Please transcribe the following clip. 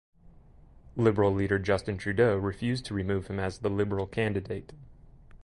Liberal leader Justin Trudeau refused to remove him as the Liberal candidate.